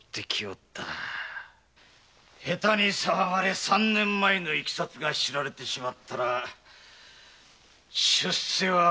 下手に騒がれ三年前のイキサツが知られてしまったら出世はフイだ。